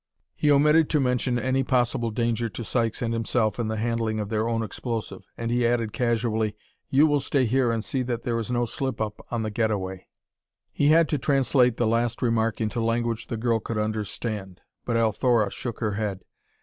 He omitted to mention any possible danger to Sykes and himself in the handling of their own explosive, and he added casually, "You will stay here and see that there is no slip up on the getaway." He had to translate the last remark into language the girl could understand. But Althora shook her head.